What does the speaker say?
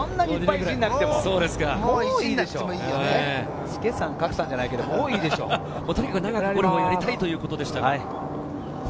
とにかく長くゴルフをやりたいということでした。